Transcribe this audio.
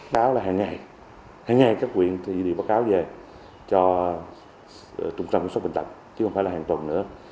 báo là hàng ngày hàng ngày các quyền thì báo cáo về cho trung tâm sốt bệnh tạp chứ không phải là hàng tuần nữa